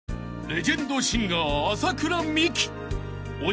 ［レジェンドシンガー麻倉未稀鬼